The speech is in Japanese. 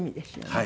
はい。